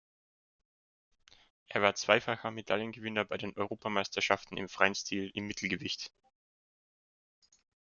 Er war zweifacher Medaillengewinner bei den Europameisterschaften im freien Stil im Mittelgewicht.